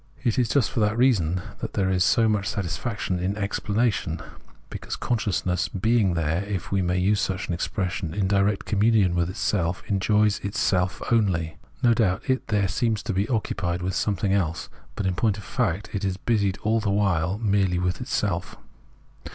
It is just for that reason that there is so much satisfaction in explanation, because consciousness being there, if we may use such an expression, in direct conununion with itself, enjoys itself only. No doubt it there seems to be occupied with something else, but in point of fact it is busied all the while merely with itself.